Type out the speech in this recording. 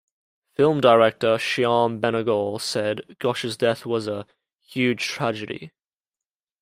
Film director Shyam Benegal said, Ghosh's death was a "huge tragedy".